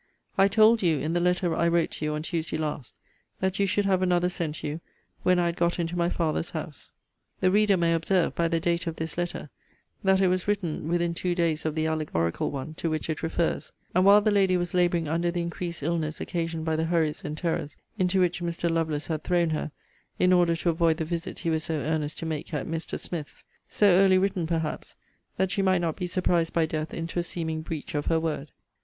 I told you, in the letter I wrote to you on Tuesday last,* that you should have another sent you when I had got into my father's house. * See her letter, enclosed in Mr. Lovelace's, No. LIV. of Vol. VII. The reader may observe, by the date of this letter, that it was written within two days of the allegorical one, to which it refers, and while the lady was labouring under the increased illness occasioned by the hurries and terrors into which Mr. Lovelace had thrown her, in order to avoid the visit he was so earnest to make her at Mr. Smith's; so early written, perhaps, that she might not be surprised by death into a seeming breach of her word.